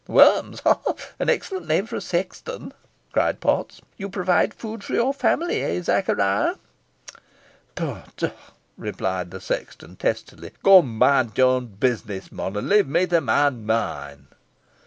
"Worms ha! an excellent name for a sexton," cried Potts. "You provide food for your family, eh, Zachariah?" "Tut tut," rejoined the sexton, testily, "go an' moind yer own bus'ness, mon, an' leave me to moind mine."